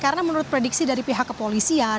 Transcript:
karena menurut prediksi dari pihak kepolisian